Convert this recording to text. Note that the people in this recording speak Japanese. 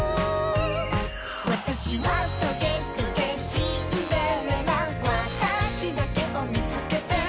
「わたしはトゲトゲシンデレラ」「わたしだけをみつけて」